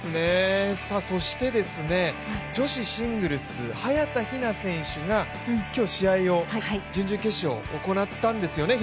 そして女子シングルス、早田ひな選手が今日、試合、準々決勝を行ったんですよね。